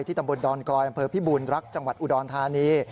ตำบลดอนกลอยอำเภอพิบูรณรักจังหวัดอุดรธานี